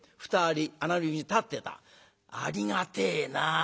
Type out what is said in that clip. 「ありがてえな。